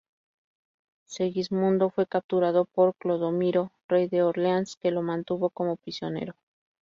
Segismundo fue capturado por Clodomiro, rey de Orleáns, que lo mantuvo como prisionero.